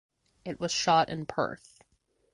It was shot in Perth.